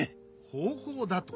方法だと？